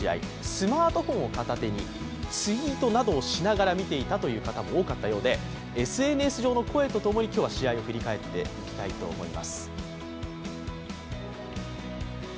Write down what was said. スマートフォンを片手に、ツイートなどをしながら見ていたという方も多かったようでＳＮＳ上の声とともに試合を振り返ってみたいと思います。